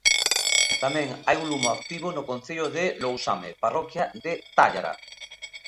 Tamén hai un lume activo no concello de Lousame, parroquia de Tállara.